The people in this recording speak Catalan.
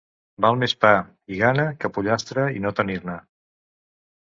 Val més pa i gana que pollastre i no tenir-ne.